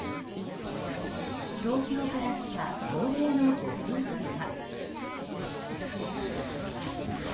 東京から来た高齢のご夫婦は。